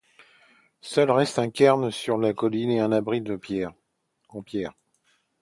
Seuls restent un cairn sur la colline et un abri en pierre.